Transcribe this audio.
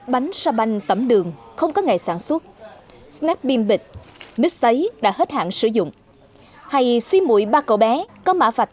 bánh sa banh tẩm đường không có ngày sản xuất snack pin bịt mít xấy đã hết hạn sử dụng hay xi mụi ba cậu bé có mã vạch